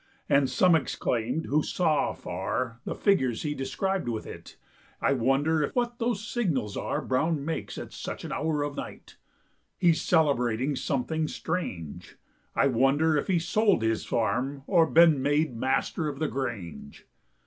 And some exclaimed who saw afar The figures he described with it, "I wonder what those signals are Brown makes at such an hour of night! He's celebrating something strange. I wonder if he's sold his farm, Or been made Master of the Grange."